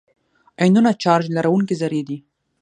آیونونه چارج لرونکي ذرې دي.